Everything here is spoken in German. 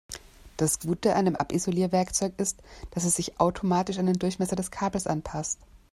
Das Gute an dem Abisolierwerkzeug ist, dass es sich automatisch an den Durchmesser des Kabels anpasst.